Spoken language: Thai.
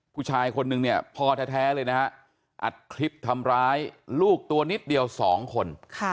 ผู้ชายคนนึงเนี่ยพ่อแท้เลยนะฮะอัดคลิปทำร้ายลูกตัวนิดเดียว๒คน